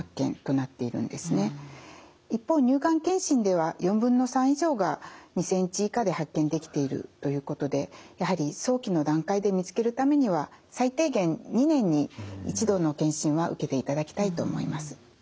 一方乳がん検診では４分の３以上が２ｃｍ以下で発見できているということでやはり早期の段階で見つけるためには最低限２年に一度の検診は受けていただきたいと思います。